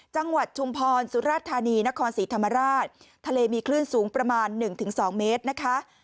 ชุมพรสุราธานีนครศรีธรรมราชทะเลมีคลื่นสูงประมาณ๑๒เมตรนะคะ